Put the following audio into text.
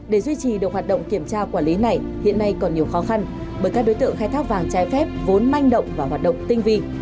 để duy trì được hoạt động kiểm tra quản lý này hiện nay còn nhiều khó khăn bởi các đối tượng khai thác vàng trái phép vốn manh động và hoạt động tinh vi